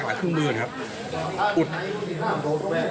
หาที่มืดอยู่นะครับ